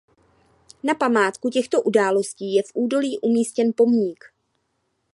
Na památku těchto událostí je v údolí umístěn pomník.